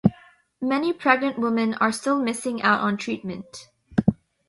Many pregnant women are still missing out on treatment.